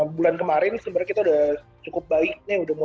bulan kemarin sebenarnya kita udah cukup baik nih